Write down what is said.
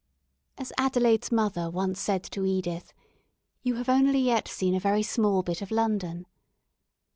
As Adelaide's mother once said to Edith, "You have only yet seen a very small bit of London."